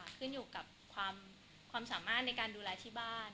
ขึ้นอยู่กับความสามารถในการดูแลที่บ้าน